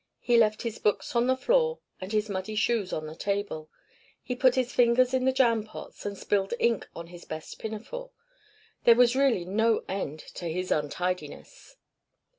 He left his books on the floor, and his muddy shoes on the table; he put his fingers in the jam pots, and spilled ink on his best pinafore; there was really no end to his untidiness.